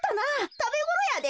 たべごろやで。